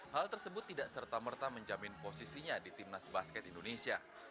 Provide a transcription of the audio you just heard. hal tersebut tidak serta merta menjamin posisinya di timnas basket indonesia